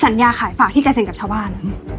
สัญญาขายฝากที่แกเซ็นกับชาวบ้าน